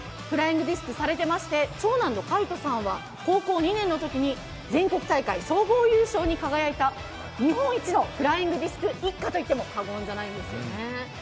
フライングディスクされてまして長男の海人さんは高校２年のときに全国大会総合優勝に輝いた日本一のフライングディスク一家と言っても過言ではないんですよね。